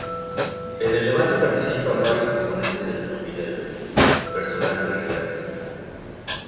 En el debate participan varios componentes de la familia Alberti, personajes reales.